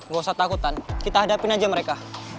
gak usah takutan kita hadapin aja mereka